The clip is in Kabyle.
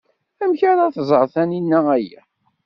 Amek ara tẓer Taninna aya?